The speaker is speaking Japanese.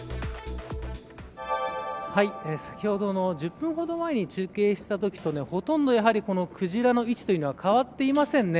先ほどの１０分ほど前に中継したときとほとんどやはりクジラの位置というのは変わっていませんね。